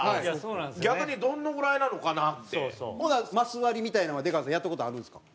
逆にどのぐらいなのかなって。ほなマスワリみたいなのは出川さんやった事あるんですか？